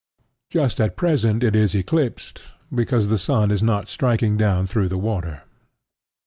Just at present it is eclipsed, because the sun is not striking down through the water.